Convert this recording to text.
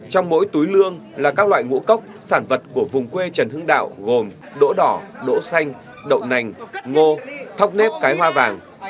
trong mỗi túi lương là các loại ngũ cốc sản vật của vùng quê trần hưng đạo gồm đỗ đỏ đỗ xanh đậu nành ngô thóc nếp cái hoa vàng